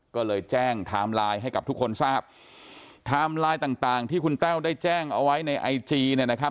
ก็เลยแจ้งไทม์ไลน์ให้กับทุกคนทราบไทม์ไลน์ต่างต่างที่คุณแต้วได้แจ้งเอาไว้ในไอจีเนี่ยนะครับ